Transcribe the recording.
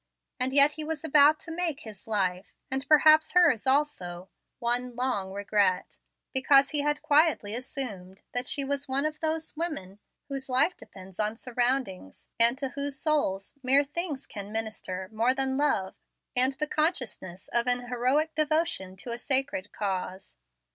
And yet he was about to make his life, and perhaps hers also, one long regret, because he had quietly assumed that she was one of those women whose life depends on surroundings, and to whose souls mere things can minister more than love and the consciousness of an heroic devotion to a sacred cause.